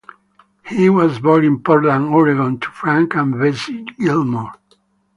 He was born in Portland, Oregon, to Frank and Bessie Gilmore.